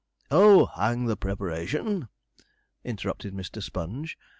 'Oh, hang preparation!' interrupted Mr. Sponge.